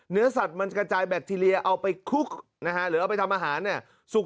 เนื้อสัตว์มันกระจายแบคทีเรียเอาไปคลุกนะฮะหรือเอาไปทำอาหารเนี่ยสุก